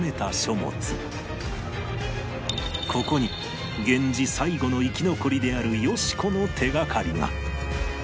ここに源氏最後の生き残りであるよし子の手掛かりが！